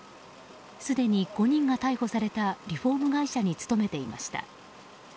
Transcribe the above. すでに５人が逮捕されたリフォーム会社に勤めていました。